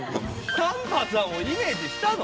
丹波さんをイメージしたの？